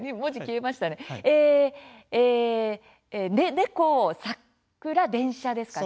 ええね「猫」「桜」「電車」ですかね。